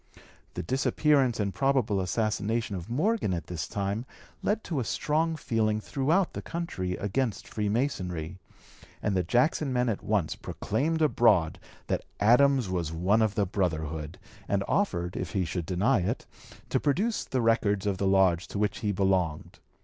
The disappearance and probable assassination of Morgan at this time led to a strong feeling throughout the country against Freemasonry, and (p. 209) the Jackson men at once proclaimed abroad that Adams was one of the brotherhood, and offered, if he should deny it, to produce the records of the lodge to which he belonged.